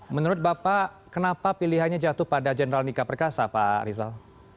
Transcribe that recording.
menurut bapak kenapa pilihannya jatuh pada jenderal nika perkasa pak rizal